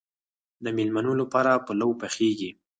د میلمنو لپاره پلو پخیږي.